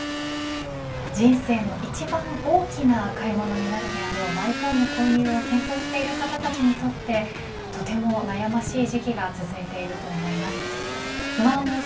人生の一番大きな買い物になるであろうマイホームの購入を検討している方たちにとってとても悩ましい時期が続いていると思います。